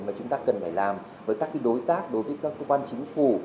mà chúng ta cần phải làm với các đối tác đối với các cơ quan chính phủ